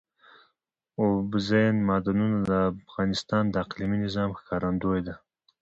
اوبزین معدنونه د افغانستان د اقلیمي نظام ښکارندوی ده.